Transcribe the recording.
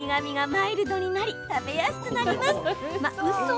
山菜の苦みがマイルドになり食べやすくなります。